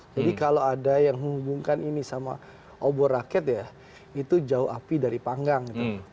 jadi kalau ada yang menghubungkan ini sama obor rakyat ya itu jauh api dari panggang